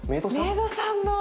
メイドさんも。